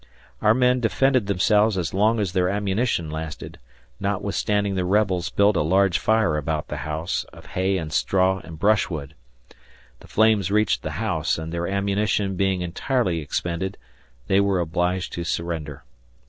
Our men defended themselves as long as their ammunition lasted, notwithstanding the rebels built a large fire about the house, of hay and straw and brushwood. The flames reached the house and their ammunition being entirely expended they were obliged to surrender.